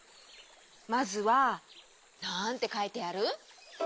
まずはなんてかいてある？